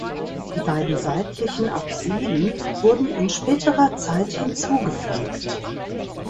Die beiden seitlichen Apsiden wurden in späterer Zeit hinzugefügt.